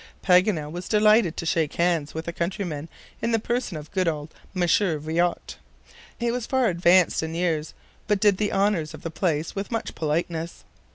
Paganel was delighted to shake hands with a countryman in the person of good old Monsieur Viot. He was far advanced in years, but did the honors of the place with much politeness.